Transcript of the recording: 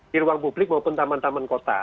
di ruang publik maupun taman taman kota